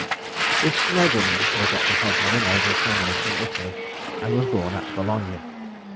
This nobleman was at the head of a noble family in Italy, and was born at Bologna.